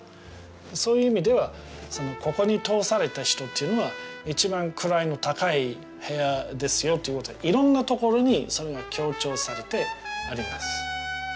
そういう意味ではここに通された人というのは一番位の高い部屋ですよということでいろんなところにそれが強調されてあります。